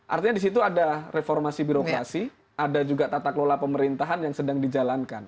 artinya di situ ada reformasi birokrasi ada juga tata kelola pemerintahan yang sedang dijalankan